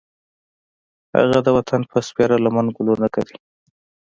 هغه د وطن په سپېره لمن ګلونه کري